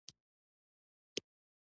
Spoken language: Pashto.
د کوډ بیا کارونه وخت خوندي کوي.